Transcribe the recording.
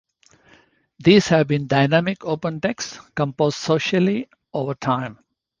These have been dynamic open texts, composed socially, over time.